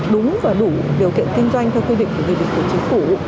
đúng và đủ điều kiện kinh doanh theo quy định của nghị định của chính phủ